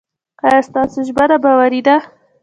ایا ستاسو ژمنه باوري ده؟